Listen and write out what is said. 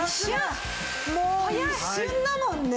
もう一瞬だもんね。